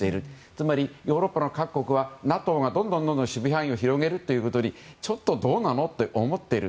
つまり、ヨーロッパの各国はＮＡＴＯがどんどん守備範囲を広げることにちょっとどうなの？と思っている。